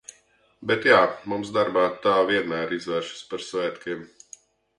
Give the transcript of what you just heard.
Bet jā, mums darbā tā vienmēr izvēršas par svētkiem.